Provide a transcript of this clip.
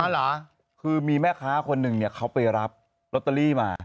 เหรอคือมีแม่ค้าคนหนึ่งเขาไปรับลอตเตอรี่มา